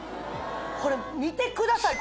これ見てください